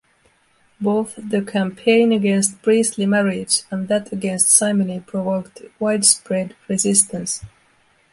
Both the campaign against priestly marriage and that against simony provoked widespread resistance.